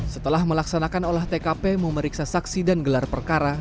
setelah melaksanakan olah tkp memeriksa saksi dan gelar perkara